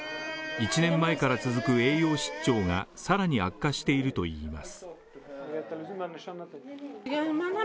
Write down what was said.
１年前から続く栄養失調がさらに悪化しているといいます